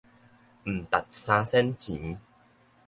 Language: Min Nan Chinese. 毋值三仙錢